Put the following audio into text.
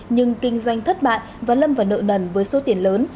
nhưng kinh doanh thất bại và lâm vào nợ nần với số tiền lớn